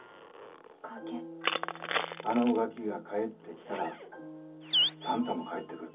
あのガキが帰ってきたら算太も帰ってくる。